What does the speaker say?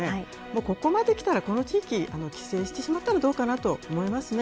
ここまできたらこの地域規制してしまったらどうかなと思いますね。